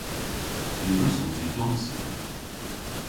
Ny wrussons i donsya.